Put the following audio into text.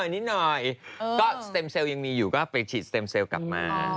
นิดหน่อยก็เต็มเซลล์ยังมีอยู่ก็ไปฉีดสเต็มเซลล์กลับมา